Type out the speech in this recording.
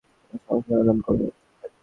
তোমার সমস্যা সমাধান করব।